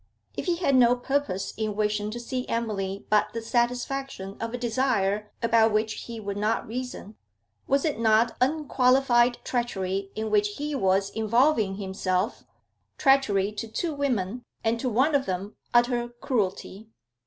If he had no purpose in wishing to see Emily but the satisfaction of a desire about which he would not reason, was it not unqualified treachery in which he was involving himself, treachery to two women and to one of them utter cruelty?